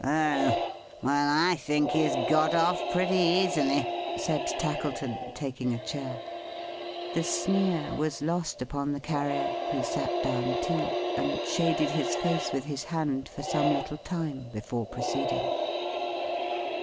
"Oh! Well, I think he has got off pretty easily," said Tackleton, taking a chair. The sneer was lost upon the Carrier, who sat down too: and shaded his face with his hand, for some little time, before proceeding.